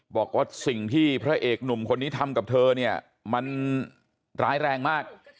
บอกว่าสิ่งที่พระเอกหนุ่มคนนี้ทำกับเธอเนี่ยมันร้ายแรงมาก